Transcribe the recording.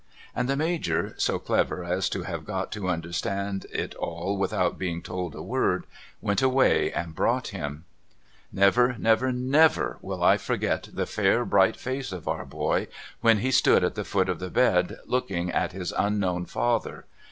And the Major, so clever as to have got to understand it all without being told a word, went away and brought him. Never never never shall I forget the fair bright face of our boy when he stood at the foot of the bed, looking at his unknown father.